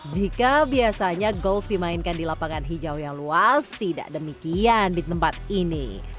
jika biasanya golf dimainkan di lapangan hijau yang luas tidak demikian di tempat ini